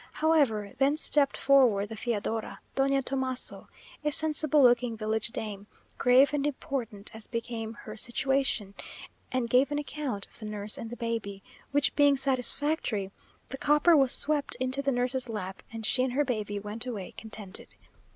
However, then stept forward the fiadora Doña Tomaso, a sensible looking village dame, grave and important as became her situation, and gave an account of the nurse and the baby, which being satisfactory, the copper was swept into the nurse's lap, and she and her baby went away contented.